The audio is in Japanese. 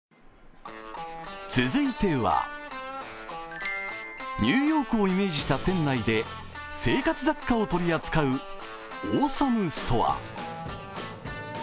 続いては、ニューヨークをイメージした店内で生活雑貨を取り扱うオーサムストア。